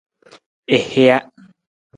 I hija.